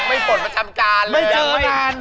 ไม่เจอนาน